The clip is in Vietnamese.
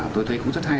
tôi thấy cũng rất hay